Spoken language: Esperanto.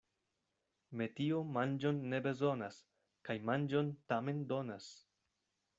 Metio manĝon ne bezonas kaj manĝon tamen donas.